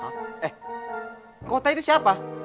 eh kota itu siapa